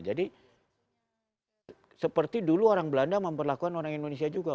jadi seperti dulu orang belanda memperlakukan orang indonesia juga